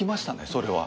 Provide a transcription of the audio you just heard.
それは。